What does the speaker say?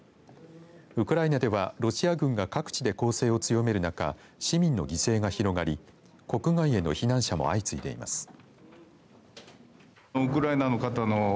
ウクライナではロシア軍が各地で攻勢を強める中市民の犠牲が広がり国外への避難者も相次いでいます。